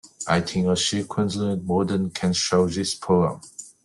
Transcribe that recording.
I think a sequential model can solve this problem.